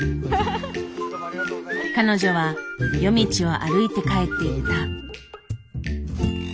彼女は夜道を歩いて帰っていった。